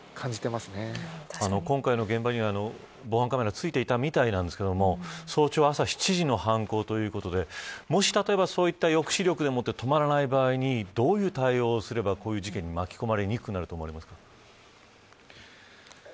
今回の現場には防犯カメラ付いていたみたいなんですけど早朝朝７時の犯行ということでもし、例えばそういう抑止力でもってとまらない場合にどういう対応をすればこういう事件に巻き込まれにくくなると思いますか。